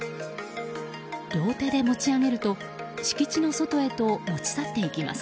両手で持ち上げると敷地の外へと持ち去っていきます。